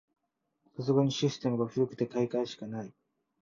さすがにシステムが古くて買い替えしかない